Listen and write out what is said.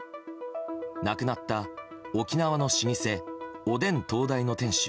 亡くなった沖縄の老舗おでん東大の店主